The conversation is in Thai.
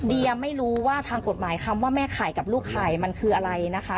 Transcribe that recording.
ยังไม่รู้ว่าทางกฎหมายคำว่าแม่ไข่กับลูกไข่มันคืออะไรนะคะ